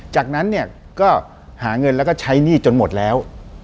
จากนั้นเนี่ยก็หาเงินแล้วก็ใช้หนี้จนหมดแล้ว